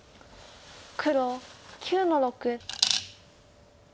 黒９の六。